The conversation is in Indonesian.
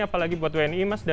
apalagi buat wni mas